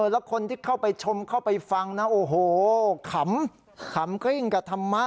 แล้วคนที่เข้าไปชมเข้าไปฟังนะโอ้โหขำขำกริ้งกับธรรมะ